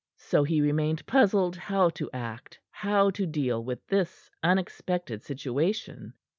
So he remained puzzled how to act, how to deal with this unexpected situation.